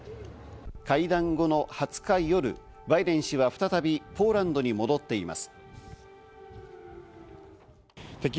会談後の２０日夜、バイデン氏は再びポーランドに戻っています。